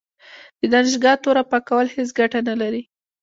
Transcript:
د دانشګاه توره پاکول هیڅ ګټه نه لري.